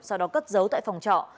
sau đó cất giấu tại phòng trọ